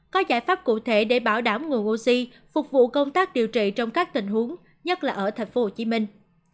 có giải pháp cụ thể để bảo đảm nguồn oxy phục vụ công tác điều trị trong các tình huống nhất là ở thành phố hồ chí minh